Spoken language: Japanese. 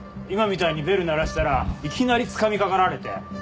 今みたいにベル鳴らしたらいきなりつかみかかられて。